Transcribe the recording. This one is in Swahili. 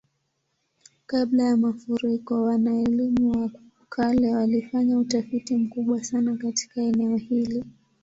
Kabla ya mafuriko, wana-elimu wa kale walifanya utafiti mkubwa sana katika eneo hili.